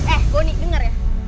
eh bonny denger ya